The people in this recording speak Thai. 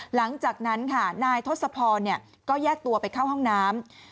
หลังจากนั้นค่ะนายทศพรก็แยกตัวไปเข้าห้องน้ำ